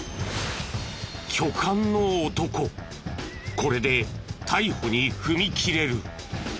これで逮捕に踏み切れる。